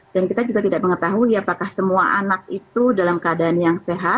dan kita juga tidak mengetahui apakah semua anak itu dalam keadaan yang sehat